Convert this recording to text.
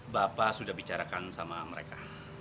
bapak sudah bicarakan sama mereka